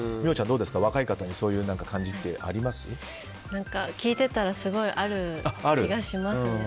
どうですか若い方にそういう感じって聞いてたらすごいある気がしますね。